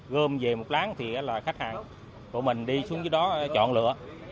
gom về một láng thì là khách hàng của mình đi xuống cái đó chọn lựa